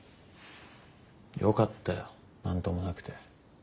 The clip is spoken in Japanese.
よかったよ何ともなくて。